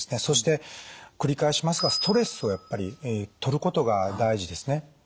そして繰り返しますがストレスをやっぱり取ることが大事ですね。